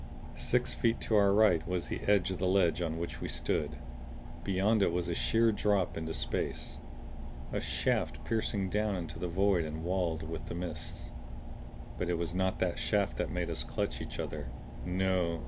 Six feet to our right was the edge of the ledge on which we stood; beyond it was a sheer drop into space. A shaft piercing down into the void and walled with the mists. But it was not that shaft that made us clutch each other. No!